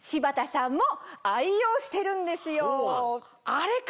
あれか！